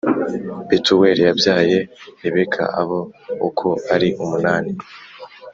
Betuweli yabyaye Rebeka Abo uko ari umunani